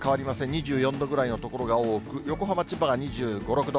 ２４度ぐらいの所が多く、横浜、千葉が２５、６度。